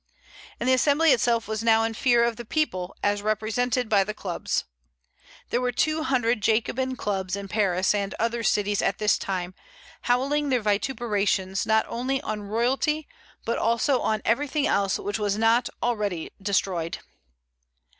And the Assembly itself was now in fear of the people as represented by the clubs. There were two hundred Jacobin clubs in Paris and other cities at this time, howling their vituperations not only on royalty but also on everything else which was not already destroyed.